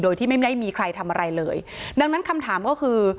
โดยที่ไม่ได้มีใครทำอะไรเลยดังนั้นคำถามก็คือ